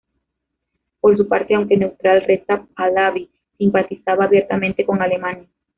Por su parte, aunque neutral, Reza Pahlavi simpatizaba abiertamente con Alemania.